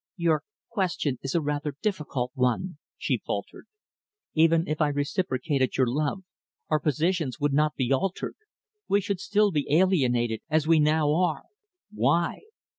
"Your question is a rather difficult one," she faltered. "Even if I reciprocated your love our positions would not be altered. We should still be alienated as we now are." "Why?"